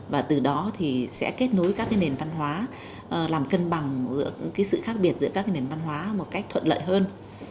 và từ đó thì sẽ kết nối các nền văn hóa làm cân bằng giữa sự khác biệt giữa các nền văn hóa một cách thuận lợi hơn